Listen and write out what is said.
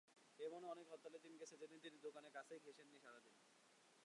এমনও অনেক হরতালের দিন গেছে, যেদিন তিনি দোকানের কাছেই ঘেঁষেননি সারা দিন।